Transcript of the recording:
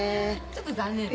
ちょっと残念ね。